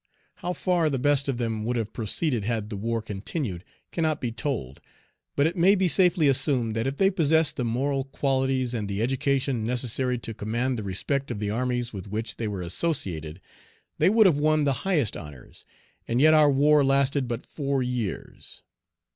How far the best of them would have proceeded had the war continued, cannot be told; but it may be safely assumed that if they possessed the moral qualities and the education necessary to command the respect of the armies with which they were associated, they would have won the highest honors; and yet our war lasted but four years.